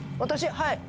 はい。